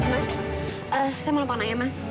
mas saya mau lupa anaknya mas